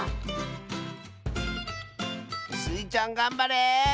スイちゃんがんばれ！